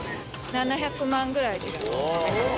７００万ぐらいですね。